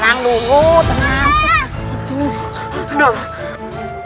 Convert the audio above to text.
tenang dulu tenang